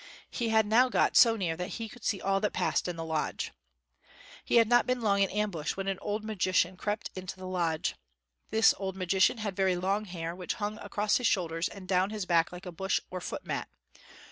He had now got so near that he could see all that passed in the lodge. He had not been long in ambush when an old magician crept into the lodge. This old magician had very long hair, which hung across his shoulders and down his back like a bush or foot mat.